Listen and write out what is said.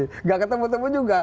nggak ketemu temu juga